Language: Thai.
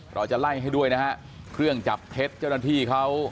เราจะไล่ให้ด้วยนะฮะเครื่องจับเท็จเจ้าหน้าที่เขา